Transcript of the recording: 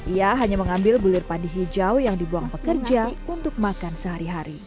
ia hanya mengambil bulir pandi hijau yang dibuang pekerja untuk makan sehari hari